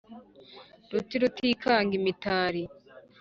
ruti rutikanga imitari